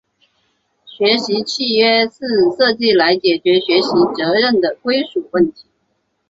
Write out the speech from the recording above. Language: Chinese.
学习契约是设计来解决学习责任的归属问题。